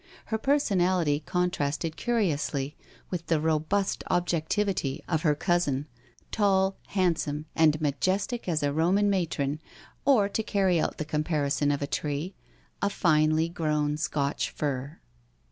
Her personality contrasted curiously with the robust objectivity of her cousin, tall, handsome, and majestic as a Roman matron, or to carry out the comparison of a tree, a finely g:rown Scotch fir.